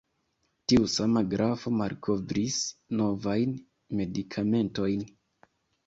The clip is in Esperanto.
Tiu sama grafo malkovris novajn medikamentojn.